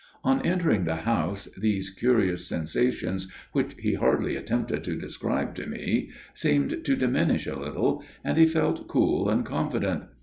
"On entering the house these curious sensations, which he hardly attempted to describe to me, seemed to diminish a little, and he felt cool and confident.